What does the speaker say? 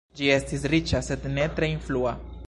Ĝi estis riĉa, sed ne tre influa.